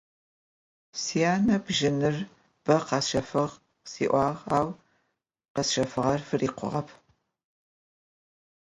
Сянэ бжьыныф бащэ къэпщэфыгъ къысиӏуагъ, ау къэсхьыгъэр фикъугъэп.